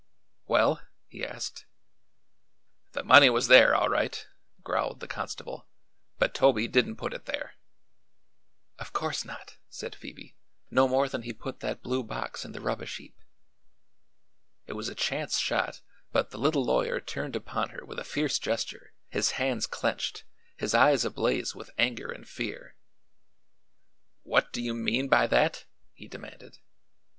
"Well?" he asked. "The money was there, all right," growled the constable; "but Toby didn't put it there." "Of course not," said Phoebe; "no more than he put that blue box in the rubbish heap." It was a chance shot but the little lawyer turned upon her with a fierce gesture, his hands clenched, his eyes ablaze with anger and fear. "What do you mean by that?" he demanded.